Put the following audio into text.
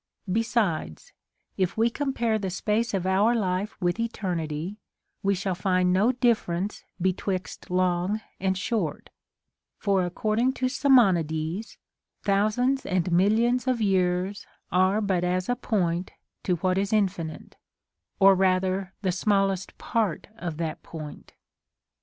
Be sides, if we compare the space of our life with eternit , Ave shall find no difference betwixt long and short ; foL' according to Simonides, thousands and millions of years are but as a point to what is infinite, or rather the smallest part of that point.